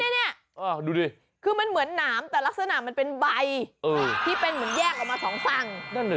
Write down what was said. นี่ดูดิคือมันเหมือนหนามแต่ลักษณะมันเป็นใบที่เป็นเหมือนแยกออกมาสองฝั่ง